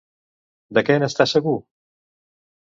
De què n'està segur?